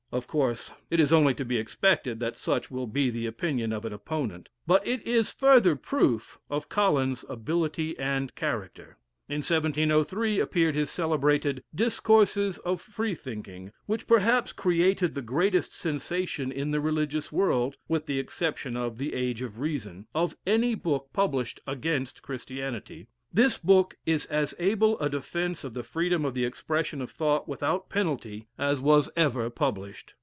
Of course it is only to be expected that such will be the opinion of an opponent but it is further proof of Collins's ability and character. In 1703 appeared his celebrated "Discourses of Freethinking," which perhaps created the greatest sensation in the religious world (with the exception of the "Age of Reason") of any book published against Christianity. This book is as able a defence of the freedom of the expression of thought without penalty, as was ever published.